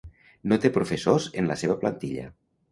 No té professors en la seva plantilla.